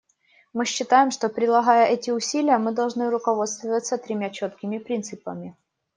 Мы считаем, что, прилагая эти усилия, мы должны руководствоваться тремя четкими принципами.